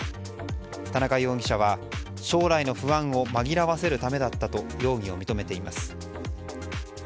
田中容疑者は将来の不安を紛らわせるためだったと容疑を認めています。